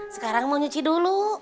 sekarang mau nyuci dulu